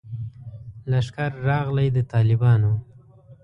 لښکر راغلی د طالبانو